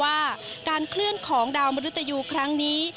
ว่าการเคลื่อนของดาวมนุษยูครั้งนี้